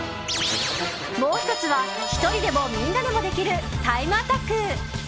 もう１つは、１人でもみんなでもできるタイムアタック。